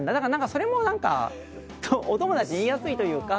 それもお友達に言いやすいというか。